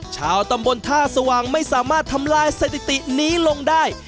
ชาวตำบลท่าสว่างไม่สามารถทำลายสถิตินี้ลงได้